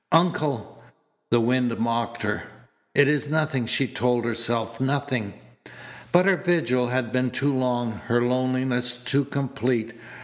"Uncle!" The wind mocked her. "It is nothing," she told herself, "nothing." But her vigil had been too long, her loneliness too complete.